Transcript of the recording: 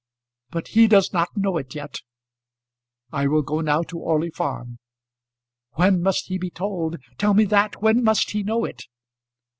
But he does not know it yet. I will go now to Orley Farm. When must he be told? Tell me that. When must he know it?"